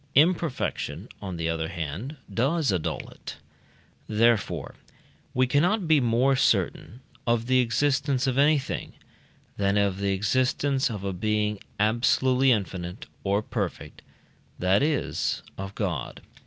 Imperfection, on the other hand, does annul it; therefore we cannot be more certain of the existence of anything, than of the existence of a being absolutely infinite or perfect that is, of God.